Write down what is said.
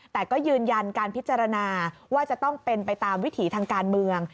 แต่ก็ยืนยันการพิจารณาว่าจะต้องเป็นไปตามวิถีทางการเมือง